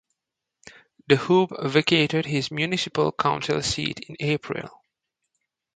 De Hoop vacated his municipal council seat in April.